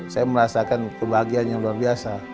saya merasakan kebahagiaan yang luar biasa